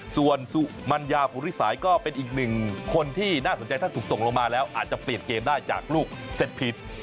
ส่วนสุมัญญาภูริสายก็เป็นอีกหนึ่งคนที่น่าสนใจถ้าถูกส่งลงมาแล้วอาจจะเปลี่ยนเกมได้จากลูกเสร็จผิด